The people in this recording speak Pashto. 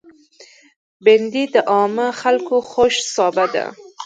بېنډۍ د عامو خلکو خوښ سابه ده